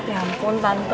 ya ampun tante